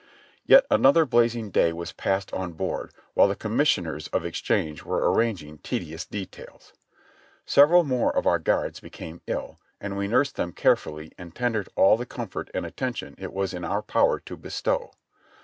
Yet another blazing day was passed on board while the Com missioners of Exchange were arranging tedious details. Several more of our guards became ill, and we nursed them carefully and tendered all the comfort and attention it was in our power to bestow.